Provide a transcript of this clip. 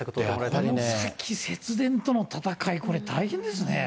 この先節電との戦い、これ、大変ですね。